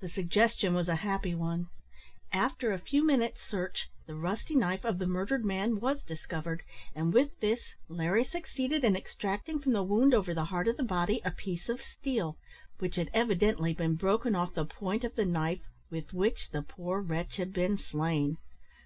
The suggestion was a happy one. After a few minutes' search the rusty knife of the murdered man was discovered, and with this Larry succeeded in extracting from the wound over the heart of the body a piece of steel, which had evidently been broken off the point of the knife, with which the poor wretch had been slain.